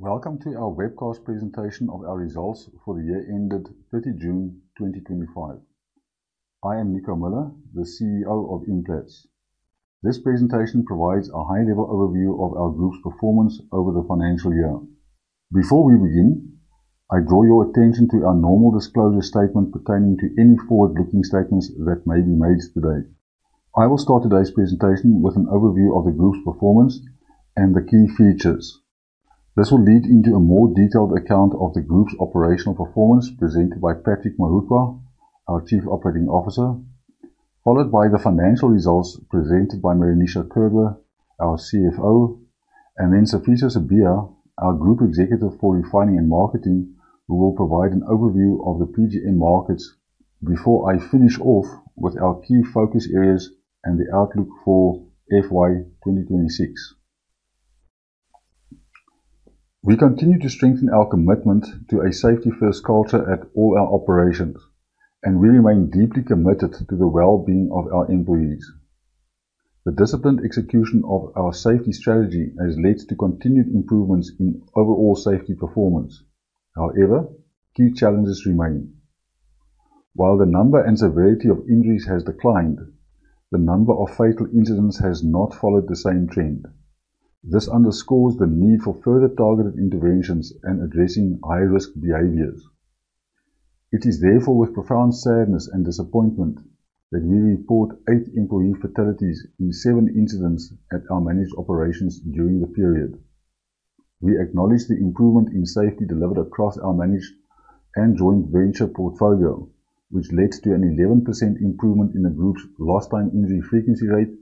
Welcome to our webcast presentation of our results for the year ended 30 June 2025. I am Nico Muller, the CEO of Implats. This presentation provides a high-level overview of our group's performance over the financial year. Before we begin, I draw your attention to our normal disclosure statement pertaining to any forward-looking statements that may be made today. I will start today's presentation with an overview of the group's performance and the key features. This will lead into a more detailed account of the group's operational performance presented by Patrick Morutlwa, our Chief Operating Officer, followed by the financial results presented by Meroonisha Kerber, our CFO, and then Sifiso Sibiya, our Group Executive for Refining and Marketing, who will provide an overview of the PGM markets before I finish off with our key focus areas and the outlook for FY 2026. We continue to strengthen our commitment to a safety-first culture at all our operations, and we remain deeply committed to the well-being of our employees. The disciplined execution of our safety strategy has led to continued improvements in overall safety performance. However, key challenges remain. While the number and severity of injuries have declined, the number of fatal incidents has not followed the same trend. This underscores the need for further targeted interventions and addressing high-risk behaviors. It is therefore with profound sadness and disappointment that we report eight employee fatalities in seven incidents at our managed operations during the period. We acknowledge the improvement in safety delivered across our managed and joint venture portfolio, which led to an 11% improvement in the group's lost time injury frequency rate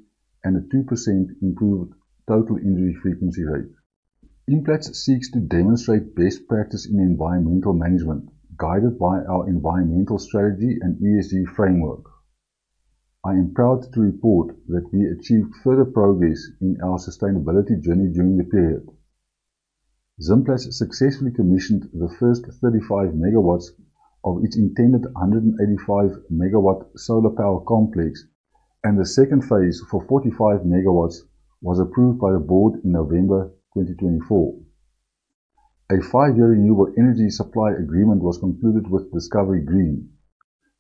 and a 2% improved total injury frequency rate. Implats seeks to demonstrate best practice in environmental management, guided by our environmental strategy and ESG framework. I am proud to report that we achieved further progress in our sustainability journey during the period. Zimplats successfully commissioned the first 35 MW of its intended 185 MW solar power complex, and the second phase for 45 MW was approved by the Board in November 2024. A five-year renewable energy supply agreement was concluded with Discovery Green.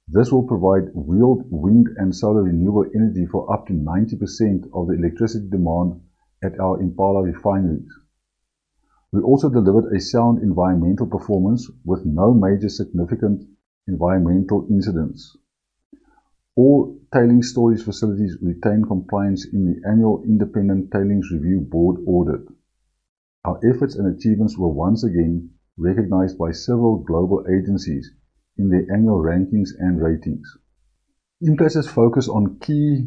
This will provide wheeled wind and solar renewable energy for up to 90% of the electricity demand at our Impala refineries. We also delivered a sound environmental performance with no major significant environmental incidents. All tailings storage facilities retained compliance in the annual independent tailings review board audit. Our efforts and achievements were once again recognized by several global agencies in their annual rankings and ratings. Implats' focus on key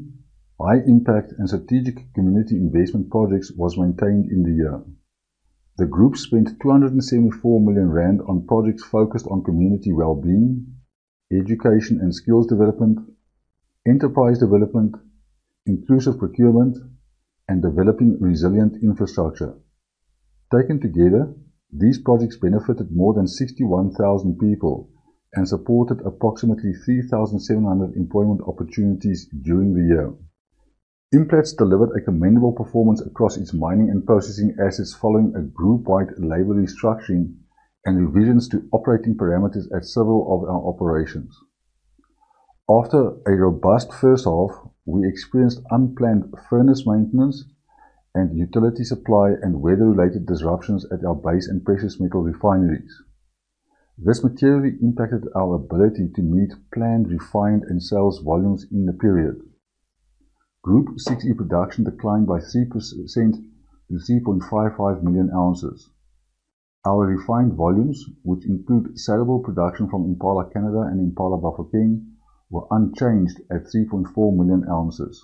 high-impact and strategic community investment projects was maintained in the year. The group spent 274 million rand on projects focused on community well-being, education and skills development, enterprise development, inclusive procurement, and developing resilient infrastructure. Taken together, these projects benefited more than 61,000 people and supported approximately 3,700 employment opportunities during the year. Implats delivered a commendable performance across its mining and processing assets following a group-wide labor restructuring and revisions to operating parameters at several of our operations. After a robust first half, we experienced unplanned furnace maintenance and utility supply and weather-related disruptions at our base and precious metal refineries. This materially impacted our ability to meet planned refined and sales volumes in the period. Group 6E production declined by 3% to 3.55 million ounces. Our refined volumes, which include sellable production from Impala Canada and Impala Bafokeng, were unchanged at 3.4 million ounces.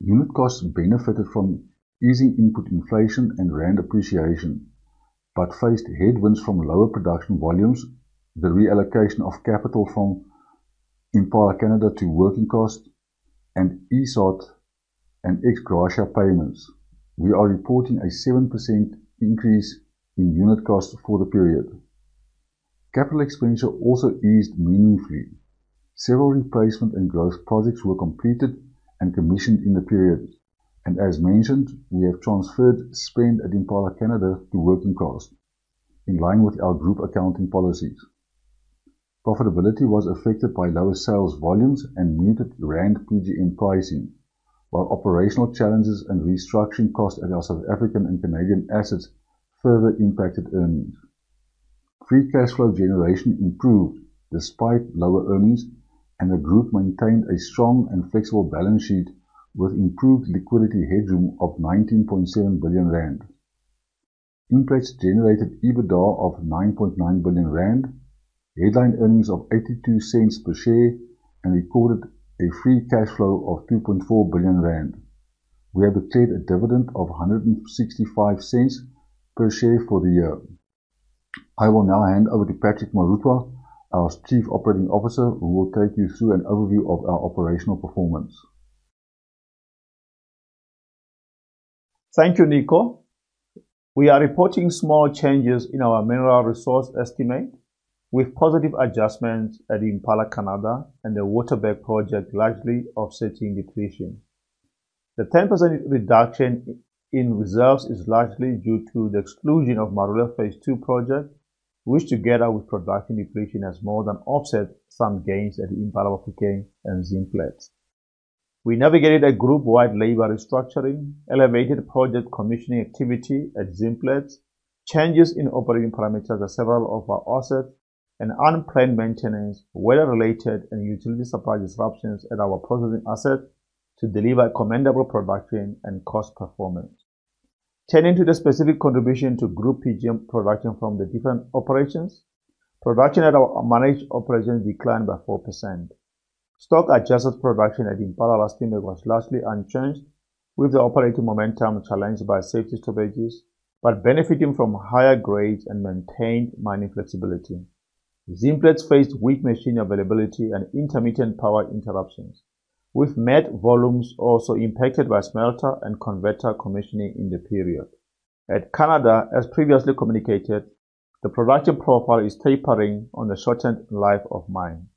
Unit costs benefited from easing input inflation and rand appreciation, but faced headwinds from lower production volumes, the reallocation of capital from Impala Canada to working costs, and ESOT and ex-gratia payments. We are reporting a 7% increase in unit costs for the period. Capital expenditure also eased meaningfully. Several replacement and growth projects were completed and commissioned in the period, and as mentioned, we have transferred spend at Impala Canada to working costs, in line with our group accounting policies. Profitability was affected by lower sales volumes and muted rand PGM pricing, while operational challenges and restructuring costs at our South African and Canadian assets further impacted earnings. Free cash flow generation improved despite lower earnings, and the group maintained a strong and flexible balance sheet with improved liquidity headroom of 19.7 billion rand. Implats generated EBITDA of 9.9 billion rand, headline earnings of 0.82 per share, and recorded a free cash flow of 2.4 billion rand. We have obtained a dividend of 1.65 per share for the year. I will now hand over to Patrick Morutlwa, our Chief Operating Officer, who will take you through an overview of our operational performance. Thank you, Nico. We are reporting small changes in our mineral resource estimate, with positive adjustments at Impala Canada and the Waterberg project largely offsetting depletion. The 10% reduction in reserves is largely due to the exclusion of Marula phase II project, which together with production depletion has more than offset some gains at Impala Bafokeng and Zimplats. We navigated a group-wide labor restructuring, elevated project commissioning activity at Zimplats, changes in operating parameters at several of our assets, and unplanned maintenance, weather-related, and utility supply disruptions at our processing assets to deliver commendable production and cost performance. Turning to the specific contribution to group PGM production from the different operations, production at our managed operations declined by 4%. Stock-adjusted production at Impala Rustenburg was largely unchanged, with the operating momentum challenged by safety stoppages, but benefiting from higher grades and maintained mining flexibility. Zimplats faced weak machine availability and intermittent power interruptions, with milled volumes also impacted by smelter and converter commissioning in the period. At Canada, as previously communicated, the production profile is tapering on the shortened life of mine.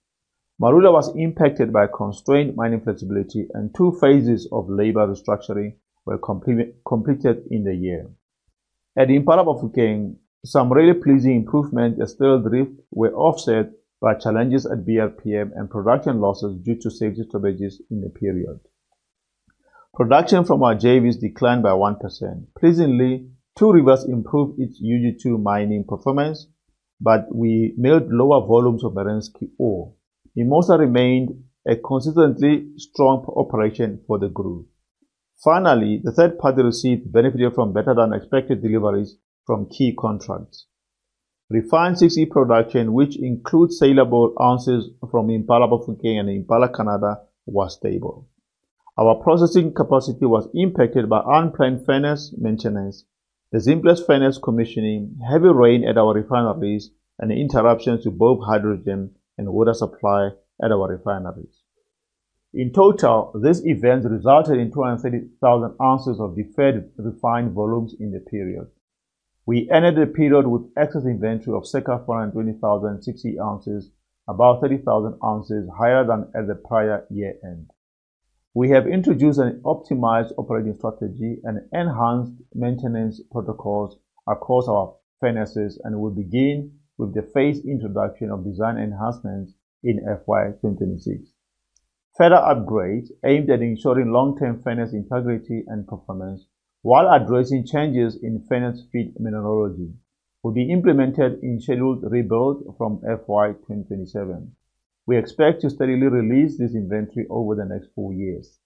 Marula was impacted by constrained mining flexibility, and two phases of labor restructuring were completed in the year. At Impala Bafokeng, some really pleasing improvements, the spill drift were offset by challenges at BRPM and production losses due to safety stoppages in the period. Production from our JVs declined by 1%. Pleasingly, Two Rivers improved its UG2 mining performance, but we milled lower volumes of Booysendal ore. Mimosa remained a consistently strong operation for the group. Finally, the third-party receipts benefited from better than expected deliveries from key contracts. Refined 6E production, which includes sellable ounces from Impala Bafokeng and Impala Canada, was stable. Our processing capacity was impacted by unplanned furnace maintenance, the Zimplats furnace commissioning, heavy rain at our refineries, and interruptions to both hydrogen and water supply at our refineries. In total, these events resulted in 230,000 ounces of deferred refined volumes in the period. We ended the period with excess inventory of circa 420,000 6E ounces, about 30,000 ounces higher than at the prior year end. We have introduced an optimized operating strategy and enhanced maintenance protocols across our furnaces and will begin with the phased introduction of design enhancements in FY 2026. Further upgrades aimed at ensuring long-term furnace integrity and performance, while addressing changes in furnace feed mineralogy, will be implemented in scheduled rebuild from FY 2027. We expect to steadily release this inventory over the next four years.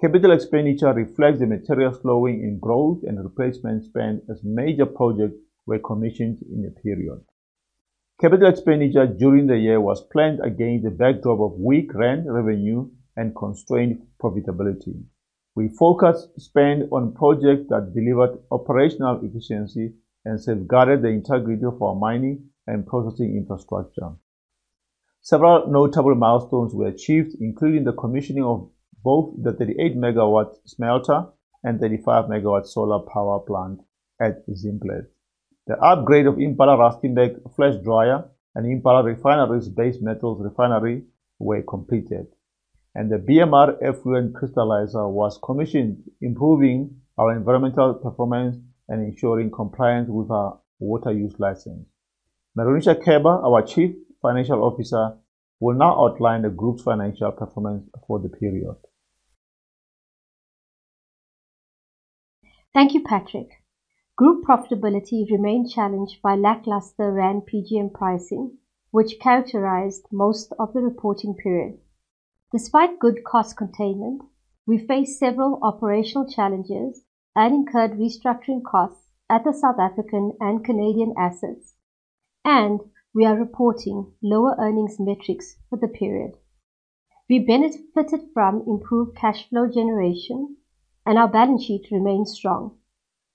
Capital expenditure reflects the material slowing in growth and replacement spend as major projects were commissioned in the period. Capital expenditure during the year was planned against the backdrop of weak rand revenue and constrained profitability. We focused spend on projects that delivered operational efficiency and safeguarded the integrity of our mining and processing infrastructure. Several notable milestones were achieved, including the commissioning of both the 38 MW smelter and 35 MW solar power plant at Zimplats. The upgrade of Impala Rustenburg flash dryer and Impala Refineries Base Metals Refinery were completed. The BMR effluent crystallizer was commissioned, improving our environmental performance and ensuring compliance with our water use license. Meroonisha Kerber, our Chief Financial Officer, will now outline the group's financial performance for the period. Thank you, Patrick. Group profitability remained challenged by lackluster rand PGM pricing, which characterized most of the reporting period. Despite good cost containment, we faced several operational challenges and incurred restructuring costs at the South African and Canadian assets, and we are reporting lower earnings metrics for the period. We benefited from improved cash flow generation, and our balance sheet remains strong,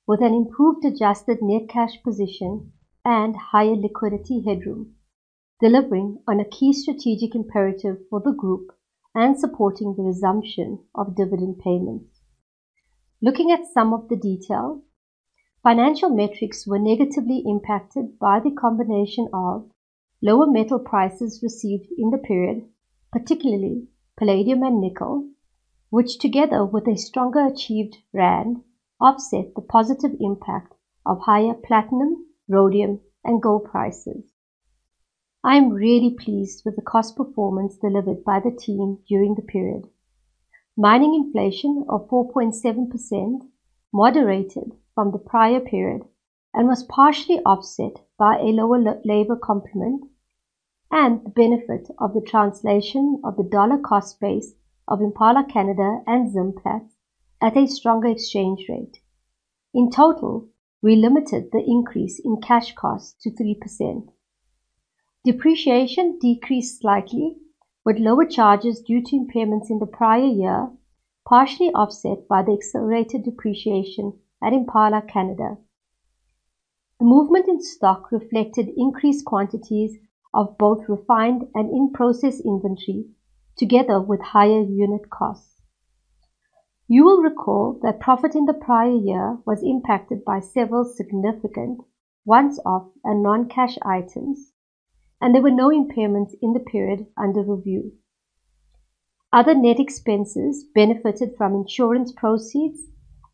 with an improved adjusted net cash position and higher liquidity headroom, delivering on a key strategic imperative for the group and supporting the resumption of dividend payments. Looking at some of the details, financial metrics were negatively impacted by the combination of lower metal prices received in the period, particularly palladium and nickel, which together with a stronger achieved rand offset the positive impact of higher platinum, rhodium, and gold prices. I am really pleased with the cost performance delivered by the team during the period. Mining inflation of 4.7% moderated from the prior period and was partially offset by a lower labor complement and the benefit of the translation of the dollar cost phase of Impala Canada and Zimplats at a stronger exchange rate. In total, we limited the increase in cash costs to 3%. Depreciation decreased slightly, with lower charges due to impairments in the prior year, partially offset by the accelerated depreciation at Impala Canada. The movement in stock reflected increased quantities of both refined and in-process inventory, together with higher unit costs. You will recall that profit in the prior year was impacted by several significant once-off and non-cash items, and there were no impairments in the period under review. Other net expenses benefited from insurance proceeds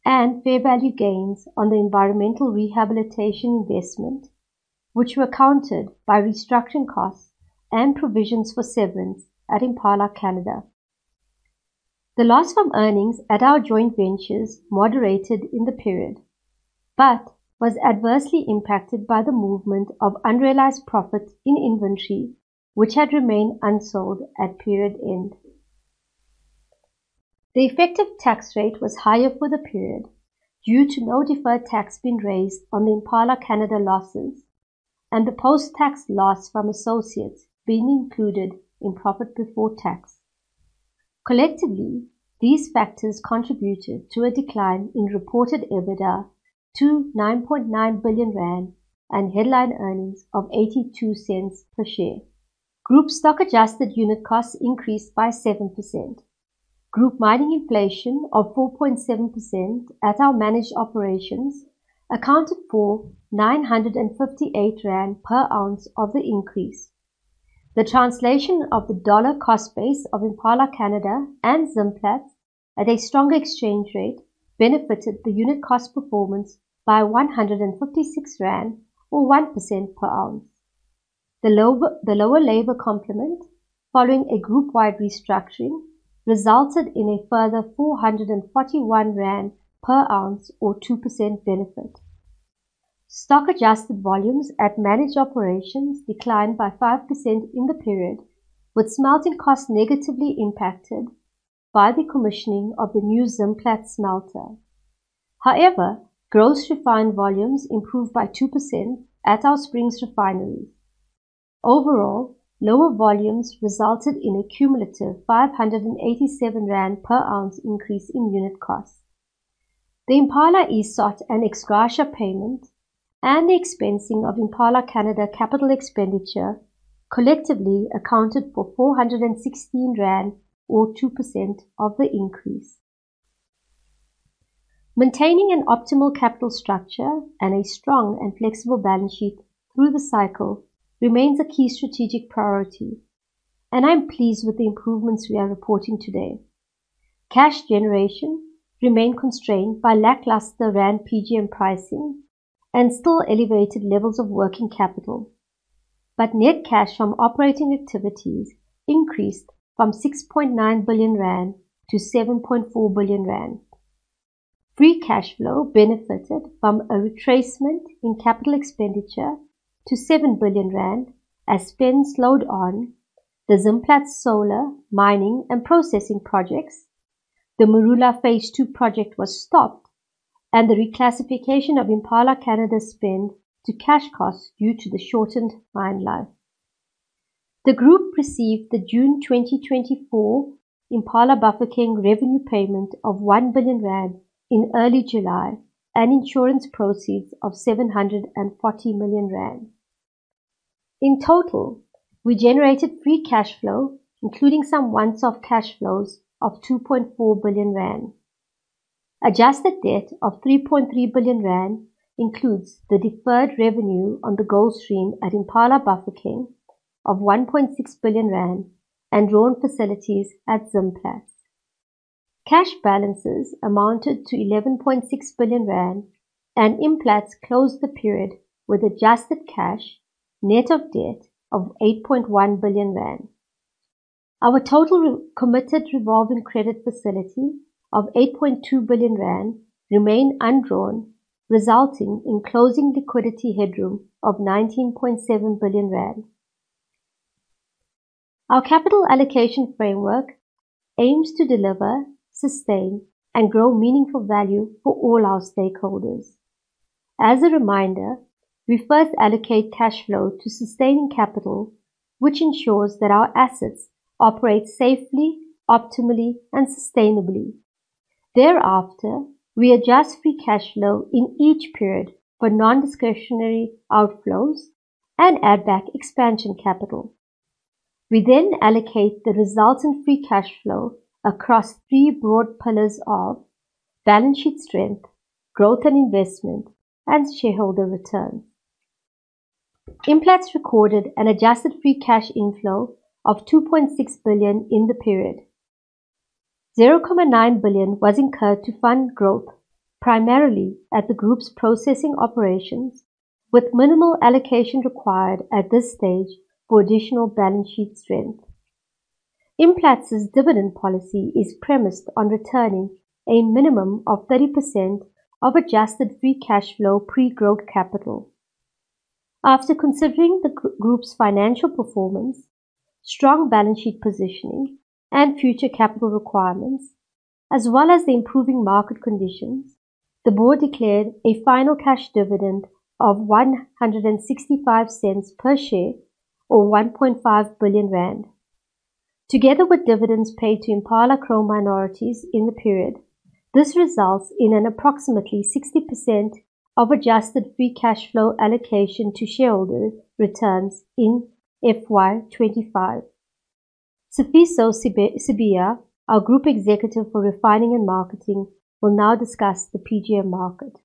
and fair value gains on the environmental rehabilitation investment, which were accounted for by restructuring costs and provisions for savings at Impala Canada. The loss from earnings at our joint ventures moderated in the period, but was adversely impacted by the movement of unrealized profit in inventory, which had remained unsold at period end. The effective tax rate was higher for the period due to no deferred tax being raised on the Impala Canada losses and the post-tax loss from associates being included in profit before tax. Collectively, these factors contributed to a decline in reported EBITDA to 9.9 billion rand and headline earnings of 0.82 per share. Group stock adjusted unit costs increased by 7%. Group mining inflation of 4.7% at our managed operations accounted for 958 rand per ounce of the increase. The translation of the dollar cost base of Impala Canada and Zimplats at a stronger exchange rate benefited the unit cost performance by 156 rand or 1% per ounce. The lower labor complement following a group-wide restructuring resulted in a further 441 rand per ounce or 2% benefit. Stock adjusted volumes at managed operations declined by 5% in the period, with smelting costs negatively impacted by the commissioning of the new Zimplats smelter. However, gross refined volumes improved by 2% at our Springs Refinery. Overall, lower volumes resulted in a cumulative 587 rand per ounce increase in unit costs. The Impala ESOT and ex-gratia payment and the expensing of Impala Canada capital expenditure collectively accounted for 416 rand or 2% of the increase. Maintaining an optimal capital structure and a strong and flexible balance sheet through the cycle remains a key strategic priority, and I am pleased with the improvements we are reporting today. Cash generation remained constrained by lackluster rand PGM pricing and still elevated levels of working capital, but net cash from operating activities increased from 6.9 billion rand to 7.4 billion rand. Free cash flow benefited from a retracement in capital expenditure to 7 billion rand as spend slowed on the Zimplats solar, mining, and processing projects, the Marula phase II project was stopped, and the reclassification of Impala Canada spend to cash costs due to the shortened mine life. The group received the June 2024 Impala Bafokeng revenue payment of 1 billion rand in early July and insurance proceeds of 740 million rand. In total, we generated free cash flow, including some once-off cash flows of 2.4 billion rand. Adjusted debt of 3.3 billion rand includes the deferred revenue on the gold stream at Impala Bafokeng of 1.6 billion rand and drawn facilities at Zimplats. Cash balances amounted to 11.6 billion rand, and Implats closed the period with adjusted cash net of debt of 8.1 billion rand. Our total committed revolving credit facility of 8.2 billion rand remained undrawn, resulting in closing liquidity headroom of ZAR 19.7 billion. Our capital allocation framework aims to deliver, sustain, and grow meaningful value for all our stakeholders. As a reminder, we first allocate cash flow to sustaining capital, which ensures that our assets operate safely, optimally, and sustainably. Thereafter, we adjust free cash flow in each period for non-discretionary outflows and add back expansion capital. We then allocate the resultant free cash flow across three broad pillars of balance sheet strength, growth and investment, and shareholder return. Implats recorded an adjusted free cash inflow of 2.6 billion in the period. 0.9 billion was incurred to fund growth, primarily at the group's processing operations, with minimal allocation required at this stage for additional balance sheet strength. Implats' dividend policy is premised on returning a minimum of 30% of adjusted free cash flow pre-growth capital. After considering the group's financial performance, strong balance sheet positioning, and future capital requirements, as well as the improving market conditions, the Board declared a final cash dividend of 1.65 per share or 1.5 billion rand. Together with dividends paid to Impala Crow minorities in the period, this results in an approximately 60% of adjusted free cash flow allocation to shareholder returns in FY 2025. Sifiso Sibiya, our Group Executive for Refining and Marketing, will now discuss the PGM market.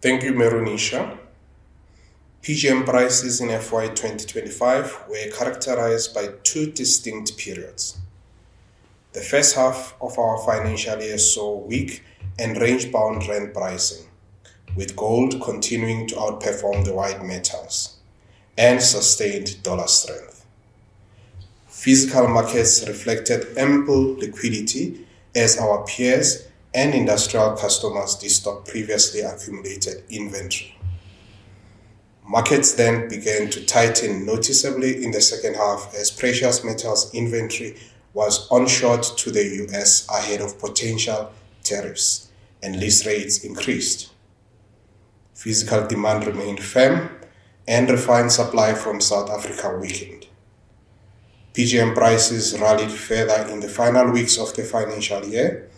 Thank you, Meroonisha. PGM prices in FY 2025 were characterized by two distinct periods. The first half of our financial year saw weak and range-bound rand pricing, with gold continuing to outperform the wide metals and sustained dollar strength. Physical markets reflected ample liquidity as our peers and industrial customers stopped previously accumulated inventory. Markets then began to tighten noticeably in the second half as precious metals inventory was onshored to the U.S. ahead of potential tariffs, and lease rates increased. Physical demand remained firm, and refined supply from South Africa weakened. PGM prices rallied further in the final weeks of the financial year,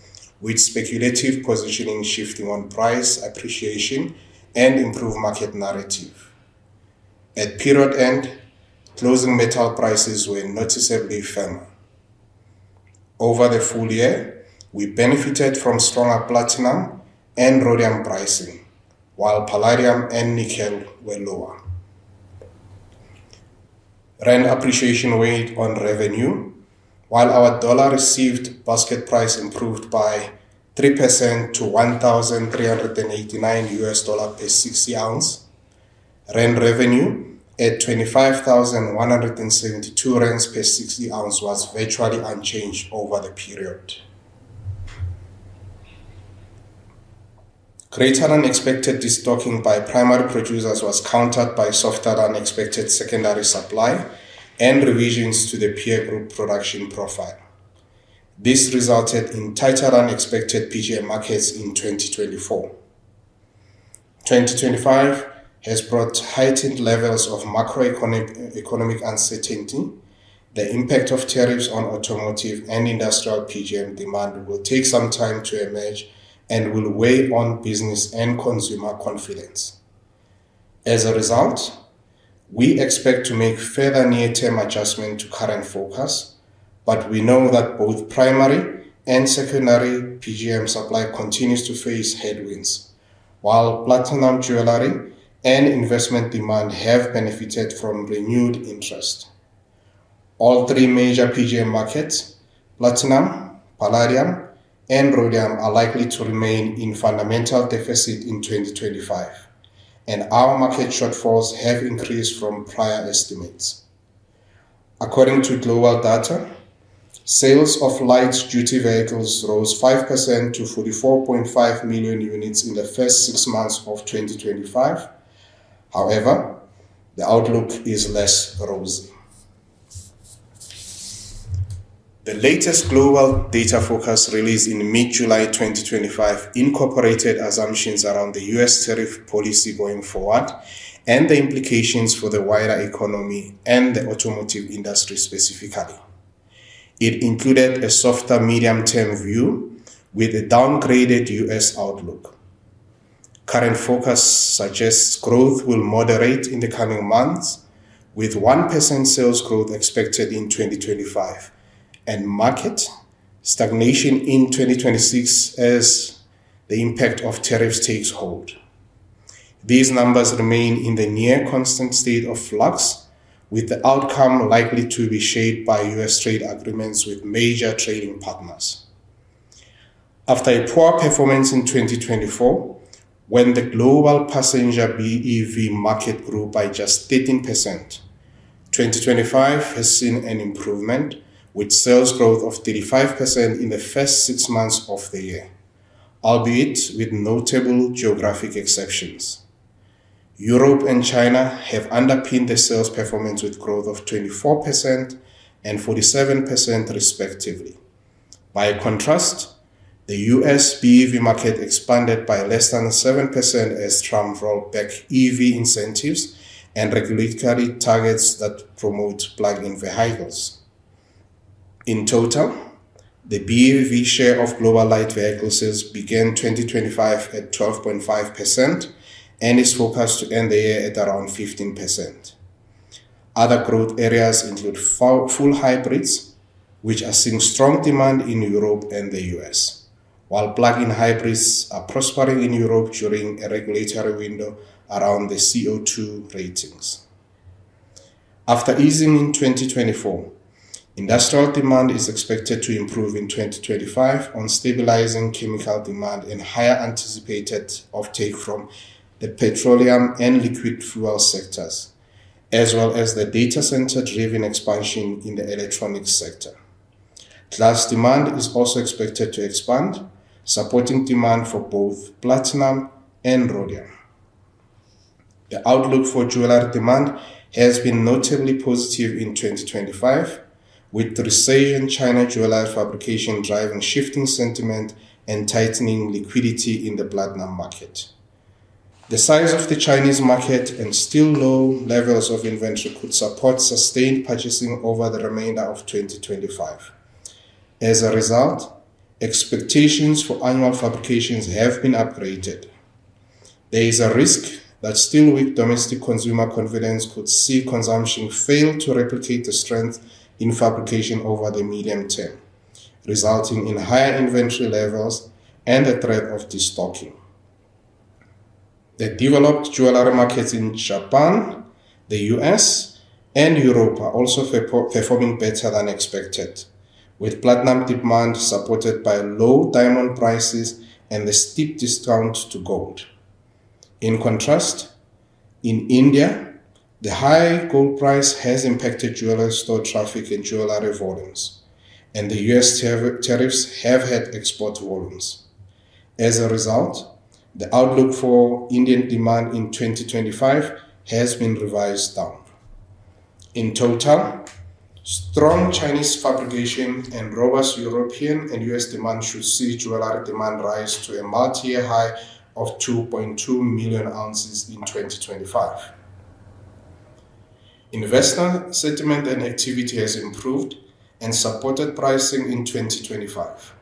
with speculative positioning shifting on price appreciation and improved market narrative. At period end, closing metal prices were noticeably firm. Over the full year, we benefited from stronger platinum and rhodium pricing, while palladium and nickel were lower. Rand appreciation weighed on revenue, while our dollar received basket price improved by 3% to $1,389 per 6E ounce. Rand revenue at 25,172 rand per 6E ounce was virtually unchanged over the period. Greater than expected destocking by primary producers was countered by softer than expected secondary supply and revisions to the peer group production profile. This resulted in tighter than expected PGM markets in 2024. 2025 has brought heightened levels of macroeconomic uncertainty. The impact of tariffs on automotive and industrial PGM demand will take some time to emerge and will weigh on business and consumer confidence. As a result, we expect to make further near-term adjustments to current forecasts, but we know that both primary and secondary PGM supply continues to face headwinds, while platinum jewelry and investment demand have benefited from renewed interest. All three major PGM markets, platinum, palladium, and rhodium, are likely to remain in fundamental deficit in 2025, and our market shortfalls have increased from prior estimates. According to global data, sales of light duty vehicles rose 5% to 44.5 million units in the first six months of 2025. However, the outlook is less rosy. The latest global data forecast released in mid-July 2025 incorporated assumptions around the U.S. tariff policy going forward and the implications for the wider economy and the automotive industry specifically. It included a softer medium-term view with a downgraded U.S. outlook. Current forecasts suggest growth will moderate in the coming months, with 1% sales growth expected in 2025 and market stagnation in 2026 as the impact of tariffs takes hold. These numbers remain in a near constant state of flux, with the outcome likely to be shaped by U.S. trade agreements with major trading partners. After a poor performance in 2024, when the global passenger BEV market grew by just 13%, 2025 has seen an improvement with sales growth of 35% in the first six months of the year, albeit with notable geographic exceptions. Europe and China have underpinned the sales performance with growth of 24% and 47% respectively. By contrast, the U.S. BEV market expanded by less than 7% as Trump rolled back EV incentives and regulatory targets that promote plug-in vehicles. In total, the BEV share of global light vehicle sales began 2025 at 12.5% and is forecast to end the year at around 15%. Other growth areas include full hybrids, which are seeing strong demand in Europe and the U.S., while plug-in hybrids are prospering in Europe during a regulatory window around the CO2 ratings. After easing in 2024, industrial demand is expected to improve in 2025 on stabilizing chemical demand and higher anticipated uptake from the petroleum and liquid fuel sectors, as well as the data center-driven expansion in the electronics sector. Glass demand is also expected to expand, supporting demand for both platinum and rhodium. The outlook for jewelry demand has been notably positive in 2025, with the recession in China jewelry fabrication driving shifting sentiment and tightening liquidity in the platinum market. The size of the Chinese market and still low levels of inventory could support sustained purchasing over the remainder of 2025. As a result, expectations for annual fabrications have been upgraded. There is a risk that still weak domestic consumer confidence could see consumption fail to replicate the strength in fabrication over the medium-term, resulting in higher inventory levels and a threat of destocking. The developed jewelry markets in Japan, the U.S., and Europe are also performing better than expected, with platinum demand supported by low diamond prices and a steep discount to gold. In contrast, in India, the high gold price has impacted jewelry store traffic and jewelry volumes, and the U.S. tariffs have hurt export volumes. As a result, the outlook for Indian demand in 2025 has been revised down. In total, strong Chinese fabrication and robust European and U.S. demand should see jewelry demand rise to a multi-year high of 2.2 million ounces in 2025. Investment sentiment and activity have improved and supported pricing in 2025.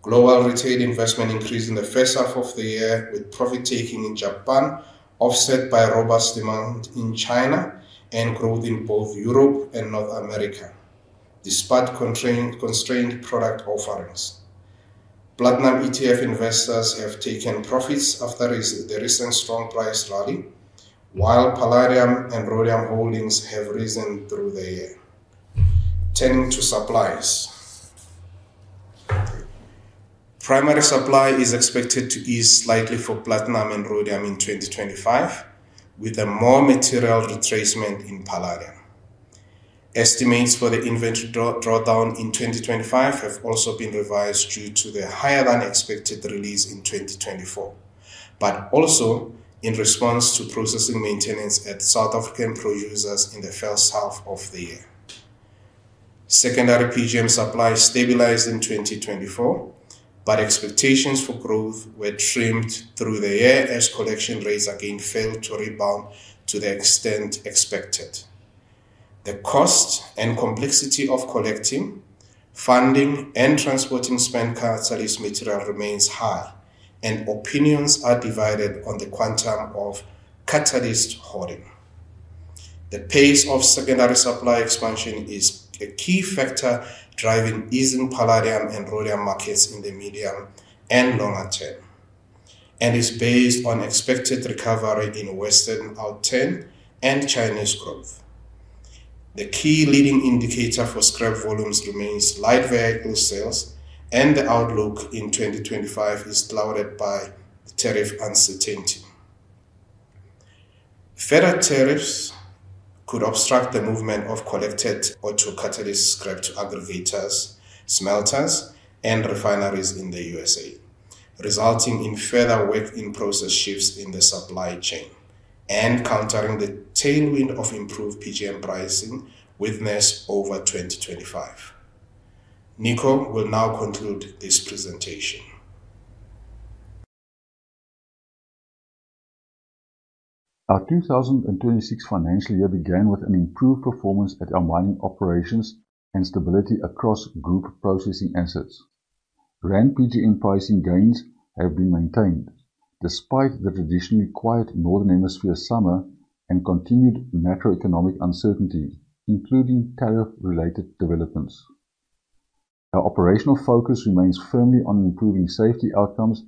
Global retail investment increased in the first half of the year, with profit-taking in Japan offset by robust demand in China and growth in both Europe and North America, despite constrained product offerings. Platinum ETF investors have taken profits after the recent strong price rally, while palladium and rhodium holdings have risen through the year. Turning to suppliers, primary supply is expected to ease slightly for platinum and rhodium in 2025, with a more material retracement in palladium. Estimates for the inventory drawdown in 2025 have also been revised due to the higher than expected release in 2024, but also in response to processing maintenance at South African producers in the first half of the year. Secondary PGM supply stabilized in 2024, but expectations for growth were trimmed through the year as collection rates again failed to rebound to the extent expected. The cost and complexity of collecting, funding, and transporting spent catalyst material remains high, and opinions are divided on the quantum of catalyst holding. The pace of secondary supply expansion is a key factor driving easing palladium and rhodium markets in the medium and longer term, and is based on expected recovery in Western out-turn and Chinese growth. The key leading indicator for scrap volumes remains light vehicle sales, and the outlook in 2025 is clouded by tariff uncertainty. Further tariffs could obstruct the movement of collected autocatalyst scrap to aggregators, smelters, and refineries in the U.S.A., resulting in further work-in-process shifts in the supply chain and countering the tailwind of improved PGM pricing witnessed over 2025. Nico will now conclude this presentation. Our 2026 financial year began with an improved performance at our mining operations and stability across group processing assets. Rand PGM pricing gains have been maintained despite the traditionally quiet Northern Hemisphere summer and continued macroeconomic uncertainty, including tariff-related developments. Our operational focus remains firmly on improving safety outcomes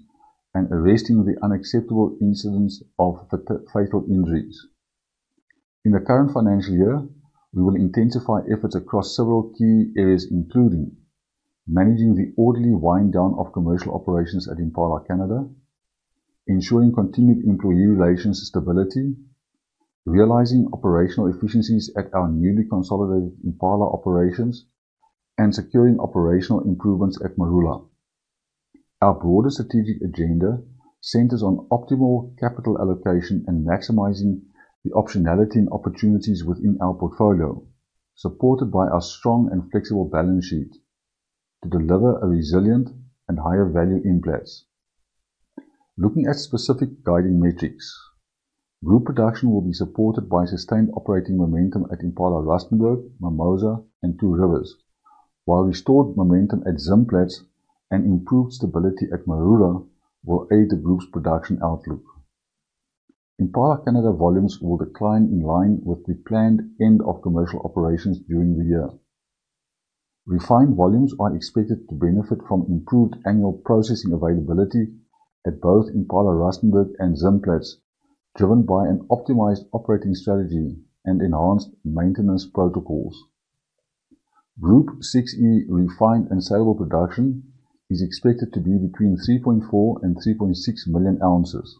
and arresting the unacceptable incidents of fatal injuries. In the current financial year, we will intensify efforts across several key areas, including managing the orderly wind-down of commercial operations at Impala Canada, ensuring continued employee relations stability, realizing operational efficiencies at our newly consolidated Impala operations, and securing operational improvements at Marula. Our broader strategic agenda centers on optimal capital allocation and maximizing the optionality and opportunities within our portfolio, supported by our strong and flexible balance sheet to deliver a resilient and higher value Implats. Looking at specific guiding metrics, group production will be supported by sustained operating momentum at Impala Rustenburg, Mimosa, and Two Rivers, while restored momentum at Zimplats and improved stability at Marula will aid the group's production outlook. Impala Canada volumes will decline in line with the planned end of commercial operations during the year. Refined volumes are expected to benefit from improved annual processing availability at both Impala Rustenburg and Zimplats, driven by an optimized operating strategy and enhanced maintenance protocols. Group 6E refined and sellable production is expected to be between 3.4 million and 3.6 million ounces.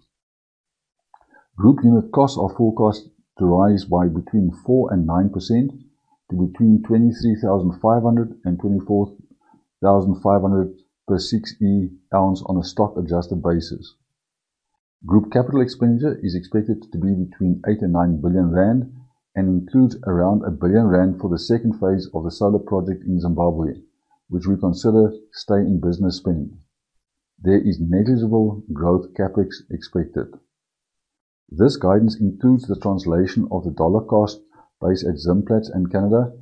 Group unit costs are forecast to rise by between 4% and 9% to between 23,500 and 24,500 per 6E ounce on a stock-adjusted basis. Group capital expenditure is expected to be between 8 billion and 9 billion rand and includes around 1 billion rand for the second phase of the solar project in Zimbabwe, which we consider stay-in-business spend. There is negligible growth CapEx expected. This guidance includes the translation of the dollar cost price at Zimplats and Canada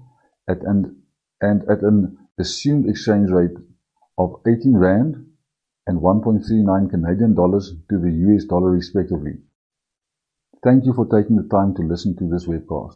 at an assumed exchange rate of 18 rand and 1.39 Canadian dollars to the U.S. dollar respectively. Thank you for taking the time to listen to this webcast.